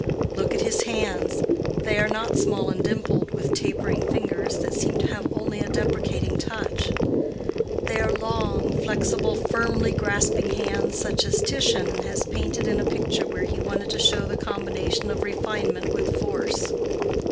Look at his hands: they are not small and dimpled, with tapering fingers that seem to have only a deprecating touch: they are long, flexible, firmly grasping hands, such as Titian has painted in a picture where he wanted to show the combination of refinement with force.